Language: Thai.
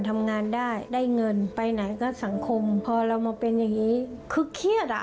ทำไมมันต้องเป็นอย่างนี้